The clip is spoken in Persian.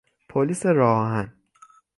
پلیس راه آهن